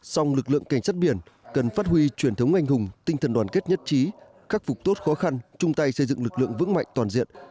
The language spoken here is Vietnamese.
song lực lượng cảnh sát biển cần phát huy truyền thống anh hùng tinh thần đoàn kết nhất trí khắc phục tốt khó khăn chung tay xây dựng lực lượng vững mạnh toàn diện